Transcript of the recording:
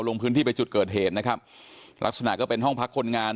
ลงพื้นที่ไปจุดเกิดเหตุนะครับลักษณะก็เป็นห้องพักคนงาน